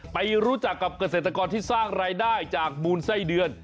ไปรู้จักกับเกษตรกรที่สร้างรายได้จากมูลไส้เดือน